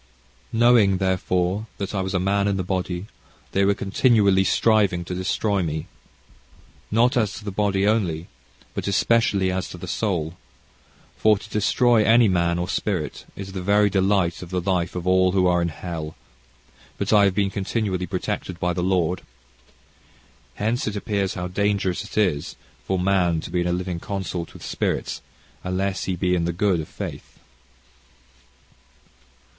"Knowing, therefore, that I was a man in the body, they were continually striving to destroy me, not as to the body only, but especially as to the soul; for to destroy any man or spirit is the very delight of the life of all who are in hell; but I have been continually protected by the Lord. Hence it appears how dangerous it is for man to be in a living consort with spirits, unless he be in the good of faith."...